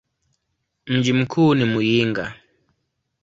Mji mkuu ni Muyinga.